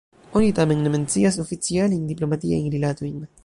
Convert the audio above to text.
Oni tamen ne mencias oficialajn diplomatiajn rilatojn.